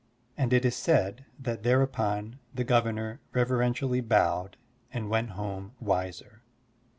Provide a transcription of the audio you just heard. '' And it is said that thereupon the Governor reverentially bowed and went home wiser.